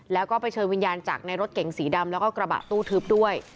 แล้วก็ไปเชิญวิญญาณจากในรถเก๋งสีดำแล้วก็กระบะตู้ทึบด้วย